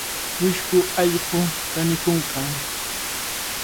Wisku allqu kanikuykan.